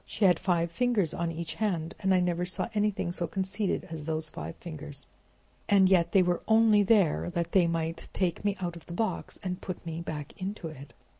She had five fingers on each hand, and I never saw anything so conceited as those five fingers. And yet they were only there that they might take me out of the box and put me back into it."